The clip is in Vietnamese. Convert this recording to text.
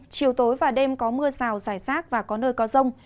chiều tối và đêm có mưa rào rải rác và có nơi có rông